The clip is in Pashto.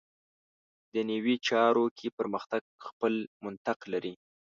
دنیوي چارو کې پرمختګ خپل منطق لري.